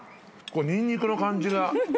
これニンニクの感じが。